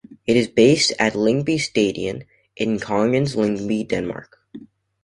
It is based at Lyngby Stadion in Kongens Lyngby, Denmark.